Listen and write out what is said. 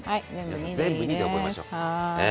皆さん全部２で覚えましょう。